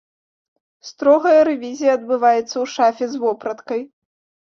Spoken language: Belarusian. Строгая рэвізія адбываецца ў шафе з вопраткай.